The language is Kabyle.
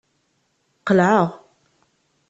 Qelɛeɣ.